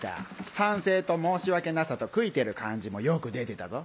反省と申し訳なさと悔いてる感じもよく出てたぞ。